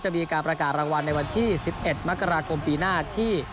มีการประกาศรางวัลในวันที่๑๑มกราคมปีหน้าที่